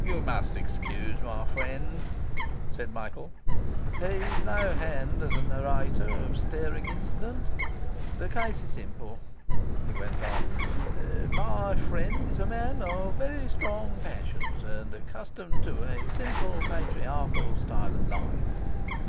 'You must excuse my friend,' said Michael; 'he's no hand as a narrator of stirring incident. The case is simple,' he went on. 'My friend is a man of very strong passions, and accustomed to a simple, patriarchal style of life.